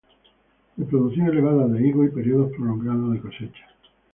De producción elevada de higos y periodo prolongado de cosecha.